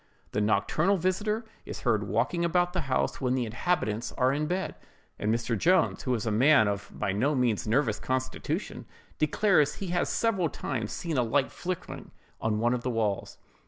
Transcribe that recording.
The nocturnal visiter is heard walking about the house when the inhabitants are in bed; and Mr. Jones, who is a man of by no means nervous constitution, declares he has several times seen a light flickering on one of the walls.